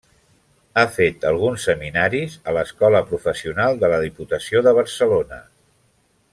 Ha fet alguns seminaris a l'Escola Professional de la Diputació de Barcelona.